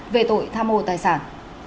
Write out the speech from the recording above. về tội tham ô tài sản